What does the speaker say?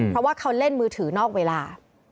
เพราะว่าเขาเล่นมือถือนอกเวลา